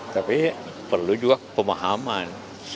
tapi perlu juga pemahaman